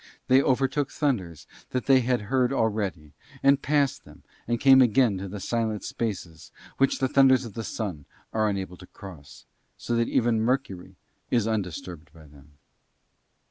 They overtook thunders that they had heard already, and passed them, and came again to the silent spaces which the thunders of the Sun are unable to cross, so that even Mercury is undisturbed by them.